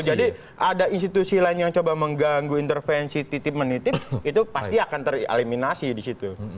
jadi ada institusi lain yang coba mengganggu intervensi titip menitip itu pasti akan tereliminasi di situ